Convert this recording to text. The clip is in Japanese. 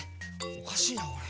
おかしいなこれ。